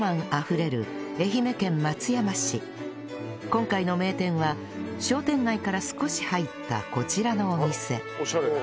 今回の名店は商店街から少し入ったこちらのお店